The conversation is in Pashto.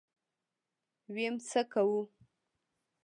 ويم څه کوو.